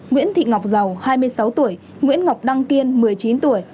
nguyễn thị ngọc dầu hai mươi sáu tuổi nguyễn ngọc đăng kiên một mươi chín tuổi